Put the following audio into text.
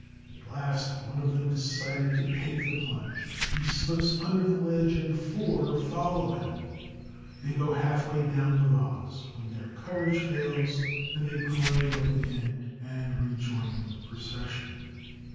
At last one of them decided to take the plunge. He slips under the ledge and four follow him. They go halfway down the vase, then their courage fails and they climb up again and rejoin the procession.